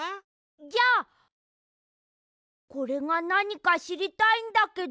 じゃこれがなにかしりたいんだけど。